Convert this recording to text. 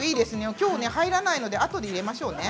きょうは入らないのであとで入れましょうね。